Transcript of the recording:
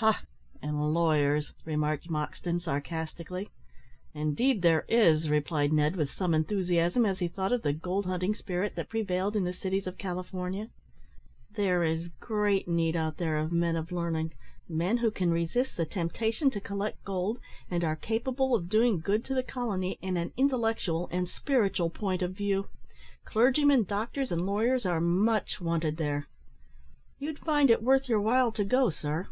"Ha! and lawyers," remarked Moxton, sarcastically. "Indeed there is," replied Ned, with some enthusiasm, as he thought of the gold hunting spirit that prevailed in the cities of California. "There is great need out there of men of learning men who can resist the temptation to collect gold, and are capable of doing good to the colony in an intellectual and spiritual point of view. Clergymen, doctors, and lawyers are much wanted there. You'd find it worth your while to go, sir."